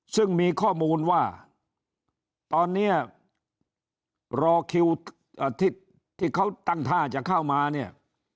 ซึ่งมีข้อมูลว่าตอนนี้รอคิวที่เขาตั้งท่าจะเข้ามาเนี่ย